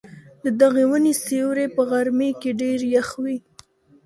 د دغې وني سیوری په غرمې کي ډېر یخ وي.